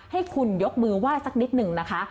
ให้คุณยกมือไหว้สักนิดหนึ่งนะคะ